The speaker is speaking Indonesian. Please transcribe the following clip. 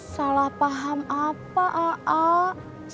salah paham apa aatisna